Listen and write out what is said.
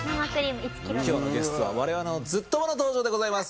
今日のゲストは我々のズッ友の登場でございます。